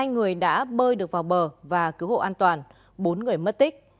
hai người đã bơi được vào bờ và cứu hộ an toàn bốn người mất tích